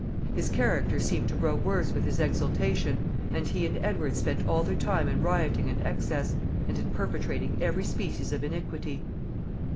His character seemed to grow worse with his exaltation, and he and Edward spent all their time in rioting and excess, and in perpetrating every species of iniquity.